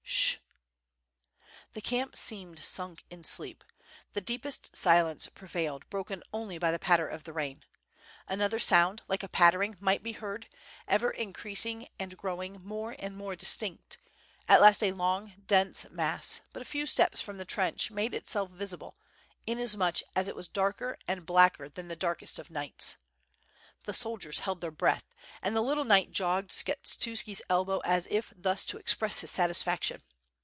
"Sh!" The camp seemed sunk in sleep; the deepest silence pre vailed, broken only by the patter of the rain. Another sound, like a pattering, might be heard, ever increasing and growing more and more distinct; at last a long, dense mass, but a few steps from the trench, made itself visible, inasmuch 'as it was darker and blacker than the darkest of nights. The soldiers held their breath, and the little knight jogged Skshetuski's elbow as if thus to express his satisfaction.